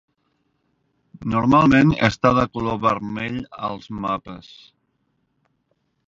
Normalment està de color vermell als mapes.